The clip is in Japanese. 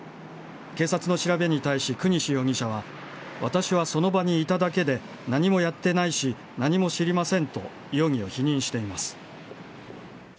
警察の調べに対し國司容疑者は、私はその場にいただけで何もやってないし、何も知りませんと容疑を否認しています。